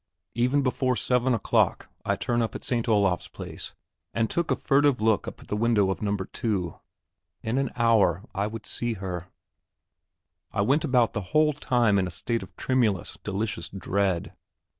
Even before seven o'clock I took a turn up St. Olav's Place and took a furtive look up at the window of No. 2. In an hour I would see her. I went about the whole time in a state of tremulous, delicious dread.